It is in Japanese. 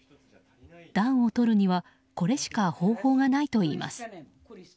暖をとるにはこれしか方法がないといいます。